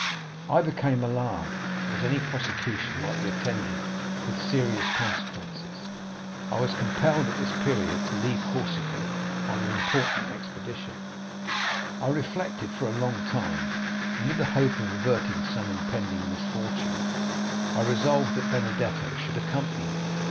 I became alarmed, as any prosecution might be attended with serious consequences. I was compelled, at this period, to leave Corsica on an important expedition; I reflected for a long time, and with the hope of averting some impending misfortune, I resolved that Benedetto should accompany me.